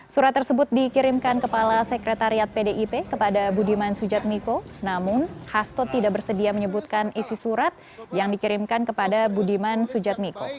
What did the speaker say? surat tersebut dikirimkan kepala sekretariat pdip kepada budiman sujatmiko namun hasto tidak bersedia menyebutkan isi surat yang dikirimkan kepada budiman sujatmiko